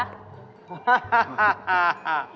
ค่ะ